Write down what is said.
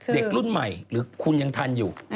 เด็กรุ่นใหม่หรือคุณยังทันอยู่